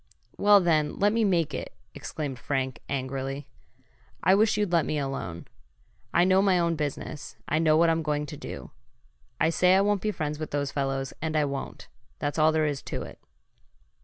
"Well then, let me make it!" exclaimed Frank, angrily. "I wish you'd let me alone! I know my own business. I know what I'm going to do. I say I won't be friends with those fellows, and I won't. That's all there is to it."